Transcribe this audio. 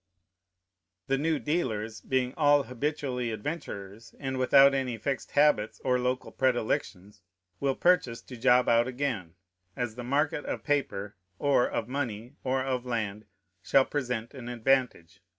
The new dealers, being all habitually adventurers, and without any fixed habits or local predilections, will purchase to job out again, as the market of paper or of money or of land shall present an advantage.